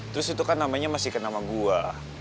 terus itu kan namanya masih ke nama gue